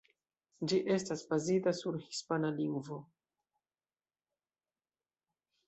Ĝi estas bazita sur hispana lingvo.